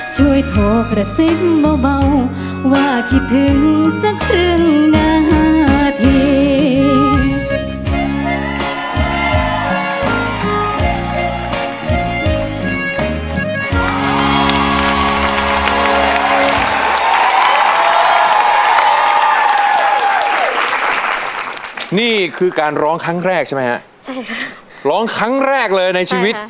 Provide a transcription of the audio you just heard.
ช่วยโทรกระซิบเบาว่าคิดถึงสักครึ่งนาที